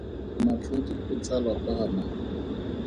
Matlhodi o tsalwa kwa ga mang?